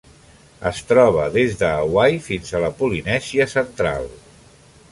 Es troba des de Hawaii fins a la Polinèsia central.